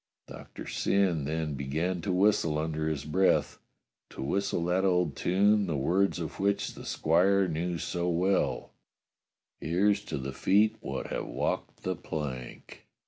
Doctor Syn then began to whistle under his breath ; to whistle that old tune the words of which the squire knew so well: "Here's to the feet wot have walked the plank."